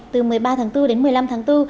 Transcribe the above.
từ một mươi ba tháng bốn đến một mươi năm tháng bốn